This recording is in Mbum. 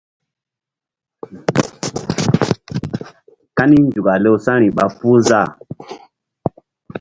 Kani nzuk a lewsa̧ri ɓa puh záh.